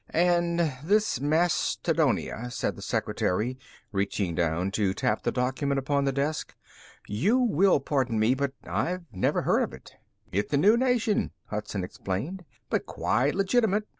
"And this Mastodonia," said the secretary, reaching down to tap the document upon the desk. "You will pardon me, but I've never heard of it." "It's a new nation," Hudson explained, "but quite legitimate.